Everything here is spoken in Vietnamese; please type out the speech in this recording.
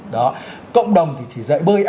đó cộng đồng thì chỉ dậy bơi